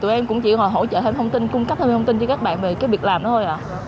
tụi em cũng chỉ hỏi hỗ trợ thêm thông tin cung cấp thêm thông tin cho các bạn về cái việc làm đó thôi ạ